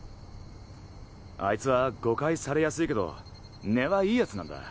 あいつは誤解されやすいけど根はいい奴なんだ。